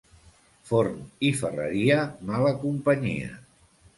Forn i ferreria, mala companyia.